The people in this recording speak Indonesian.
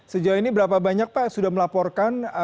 sejauh ini berapa banyak pak sudah melaporkan